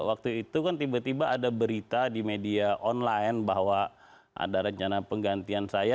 waktu itu kan tiba tiba ada berita di media online bahwa ada rencana penggantian saya